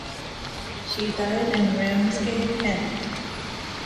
She died in Ramsgate, Kent.